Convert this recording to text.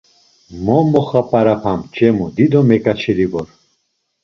“Mo moxap̌arapam Ç̌emu! Dido meǩaçeri vor!”